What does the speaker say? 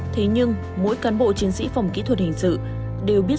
thế nhưng mỗi cán bộ chiến sĩ phòng kỹ thuật hình sự đều biết